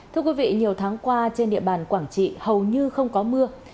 thưa quý vị nhiều tháng qua trên địa bàn quảng trị hầu như không có mưa